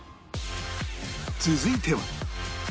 続いては